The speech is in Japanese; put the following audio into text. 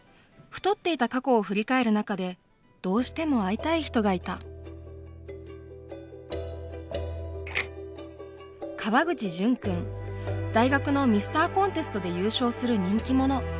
太っていた過去を振り返る中でどうしても会いたい人がいた大学のミスターコンテストで優勝する人気者。